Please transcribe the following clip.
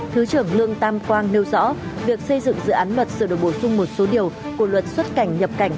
thứ trưởng lương tam quang nêu rõ việc xây dựng dự án luật sửa đổi bổ sung một số điều của luật xuất cảnh nhập cảnh